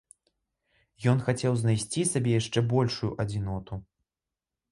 Ён хацеў знайсці сабе яшчэ большую адзіноту.